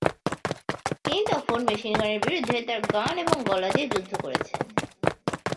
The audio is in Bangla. তিনি তখন মেশিনগানের বিরুদ্ধে তার গান এবং গলা দিয়ে যুদ্ধ করেছেন।